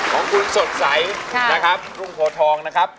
ของคุณสดใสนะครับทุ่งโพทองนะครับ